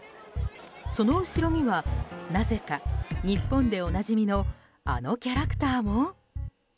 その後ろには、なぜか日本でおなじみのあのキャラクターも？